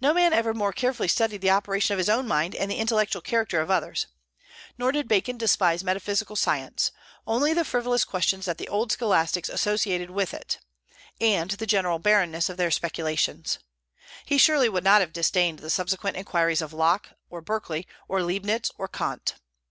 No man ever more carefully studied the operation of his own mind and the intellectual character of others." Nor did Bacon despise metaphysical science, only the frivolous questions that the old scholastics associated with it, and the general barrenness of their speculations. He surely would not have disdained the subsequent inquiries of Locke, or Berkeley, or Leibnitz, or Kant.